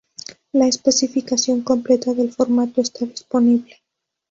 La especificación completa del formato está disponible.